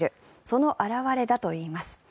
その表れだといいます。